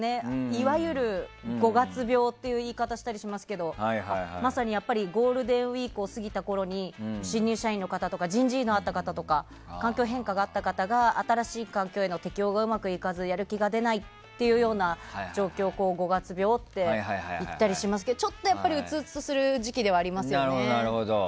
いわゆる五月病っていう言い方をしたりしますけどまさにやっぱりゴールデンウィークを過ぎたころに新入社員の方とか人事異動があった方とか環境変化があった方が新しい環境への適応がうまくいかずやる気が出ないというような状況を五月病って言ったりしますけどやっぱりちょっとうつうつとする時期ではありますよね。